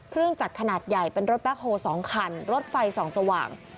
เครื่องจักรขนาดใหญ่เป็นรถแบ็คโฮ๒คันรถไฟส่องสว่าง